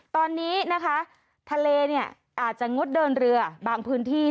ตอนนี้นะคะทะเลเนี่ยอาจจะงดเดินเรือบางพื้นที่